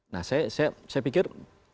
nah saya pikir